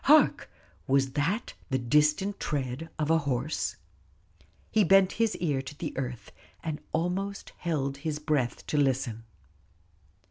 Hark! was that the distant tread of a horse? He bent his ear to the earth, and almost held his breath to listen.